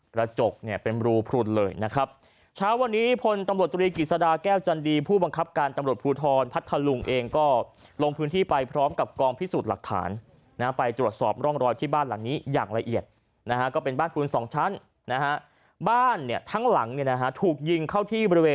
กระจกเนี่ยเป็นรูพลุนเลยนะครับเช้าวันนี้พลตำรวจตรีกิจสดาแก้วจันดีผู้บังคับการตำรวจภูทรพัทธลุงเองก็ลงพื้นที่ไปพร้อมกับกองพิสูจน์หลักฐานนะไปตรวจสอบร่องรอยที่บ้านหลังนี้อย่างละเอียดนะฮะก็เป็นบ้านปูนสองชั้นนะฮะบ้านเนี่ยทั้งหลังเนี่ยนะฮะถูกยิงเข้าที่บริเวณ